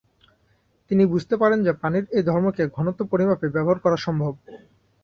তিনি বুঝতে পারেন যে পানির এই ধর্মকে ঘনত্ব পরিমাপে ব্যবহার করা সম্ভব।